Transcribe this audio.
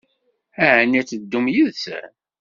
Ɛni ad teddumt yid-sen?